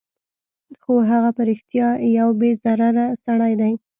خو هغه په رښتیا یو بې ضرره سړی دی